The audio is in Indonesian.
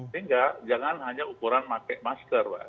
sehingga jangan hanya ukuran pakai masker pak